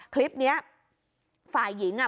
คลิปเนี้ยฝ่ายหญิงอ่ะ